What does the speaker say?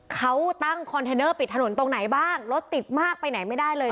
เขาตั้งคอนเทนเนอร์ปิดถนนตรงไหนบ้างรถติดมากไปไหนไม่ได้เลย